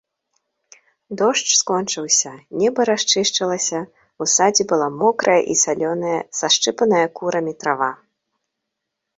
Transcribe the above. Дождж скончыўся, неба расчышчалася, у садзе была мокрая і зялёная, сашчыпаная курамі трава.